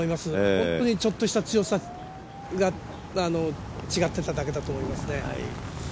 本当にちょっとした強さが違っていただけだと思いますね。